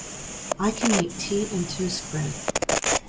I can make tea and toast bread.